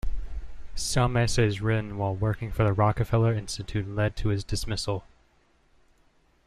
Some essays written while working for the Rockefeller Institute led to his dismissal.